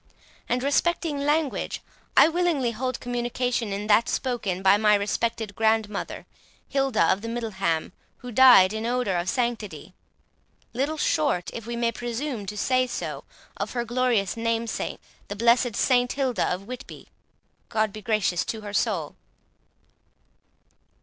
And respecting language, I willingly hold communication in that spoken by my respected grandmother, Hilda of Middleham, who died in odour of sanctity, little short, if we may presume to say so, of her glorious namesake, the blessed Saint Hilda of Whitby, God be gracious to her soul!"